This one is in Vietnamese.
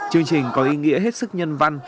chương trình có ý nghĩa hết sức nhân văn